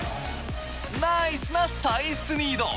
ナイスなサイスニード。